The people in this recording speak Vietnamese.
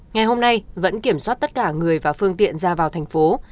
ngày hôm nay vẫn kiểm soát tất cả người và phương tiện ra vào thành phố